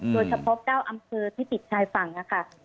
โดยเฉพาะ๙อำเภอที่ติดท้ายฝั่งค่ะ